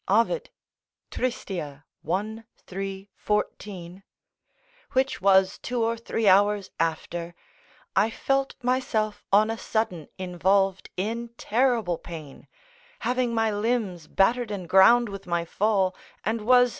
Ovid, Trist., i. 3, 14.] which was two or three hours after, I felt myself on a sudden involved in terrible pain, having my limbs battered and ground with my fall, and was.